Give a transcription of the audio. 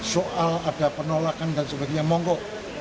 soal ada penolakan dan sebagainya monggo